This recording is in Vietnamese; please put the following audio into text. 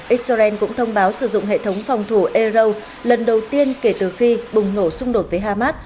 israel cũng thông báo sử dụng hệ thống phòng thủ ero lần đầu tiên kể từ khi bùng nổ xung đột với hamas